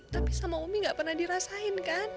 tapi sama umi gak pernah dirasain kan